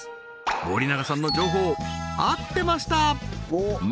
森永さんの情報合ってました！